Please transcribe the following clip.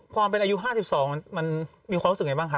ความเป็นอายุ๕๒มันมีความรู้สึกไงบ้างคะ